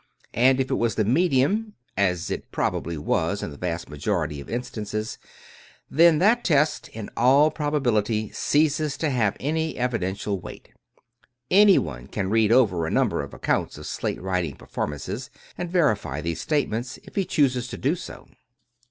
and if it was the medium — as it probably was in the vast majority of instances — then that test, in all probability, ceases to have any evidential weight. Anyone can read over a number of accounts of slate writing performances, and verify these statements, if he chooses to do so.